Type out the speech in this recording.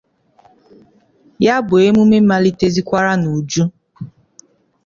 ya bụ emume malitezịkwara n'uju